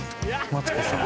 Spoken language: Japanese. マツコさん